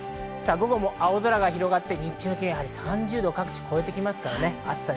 午後は青空が広がって日中の気温は３０度を超えてきそうです。